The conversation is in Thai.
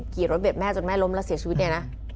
ขี่รถเบ็ดแม่จนแม่ล้มแล้วเสียชีวิตเนี่ยนะ